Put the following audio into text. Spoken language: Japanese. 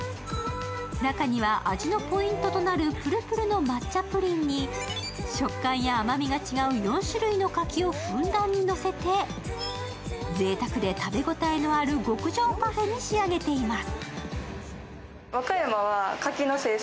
中には味のポイントとなるぷるぷるの抹茶プリンに食感や甘みが違う４種類の柿をふんだんのせて、ぜいたくで食べ応えのある極上パフェに仕上げています。